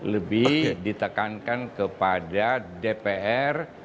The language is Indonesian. lebih ditekankan kepada dpr